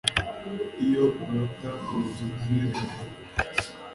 iyo urota mu nzozi nijoro